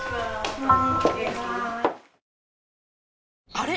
あれ？